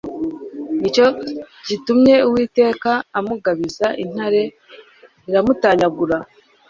Ni cyo gitumye Uwiteka amugabiza intare iramutanyagura